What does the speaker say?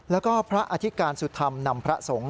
แล้วก็พระอธิการสุธรรมนำพระสงฆ์